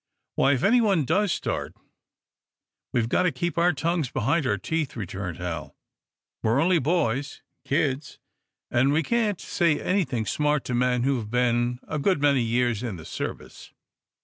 "Why, if anyone does start, we've got to keep our tongues behind our teeth," returned Hal. "We're only boys kids and we can't say anything smart to men who have been a good many years in the service."